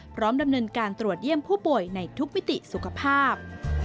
พร้อมดำเนินการตรวจเยี่ยมผู้ป่วยในทุกมิติสุขภาพ